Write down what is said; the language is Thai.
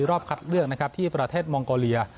รอบคัดเลือกที่ประเทศมองโกเลีย